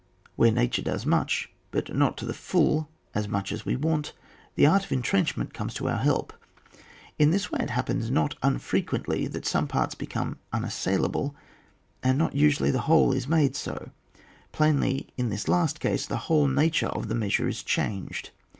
Where nature does much, but not to the full as much as we want, the art of entrenchment comes to our help. In this way it happens not unfrequently that some parts become unassailable, and not unusually the whole is made so : plainly in this last case, the whole nature of the measure is changed.